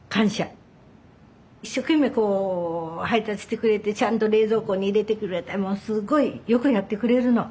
一生懸命配達してくれてちゃんと冷蔵庫に入れてくれてすごいよくやってくれるの。